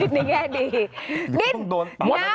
ผมคิดน่าแก้ดี